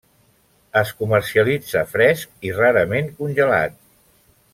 Es comercialitza fresc i, rarament, congelat.